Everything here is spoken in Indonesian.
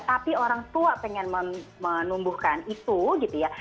tapi orang tua pengen menumbuhkan itu gitu ya